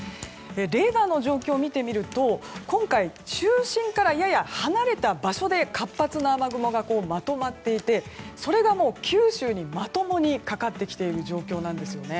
レーダーの状況を見てみると今回、中心からやや離れた場所で活発な雨雲がまとまっていてそれが九州にまともにかかってきている状況です。